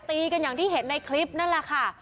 ตีกันอย่างที่เห็นในคลิปนั่นแหละค่ะ